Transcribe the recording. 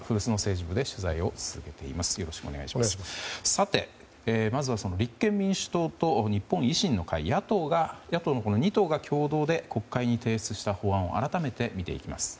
さて、まずは立憲民主党と日本維新の会野党のこの２党が共同で国会に提出した法案を改めて見ていきます。